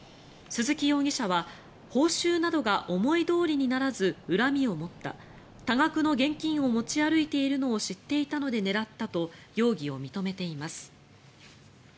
鈴木容疑者は報酬などが思いどおりにならず恨みを持った多額の現金を持ち歩いているのを知っていたので狙ったと容疑を認めています。